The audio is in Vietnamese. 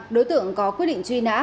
đối tượng có quyết định truy nã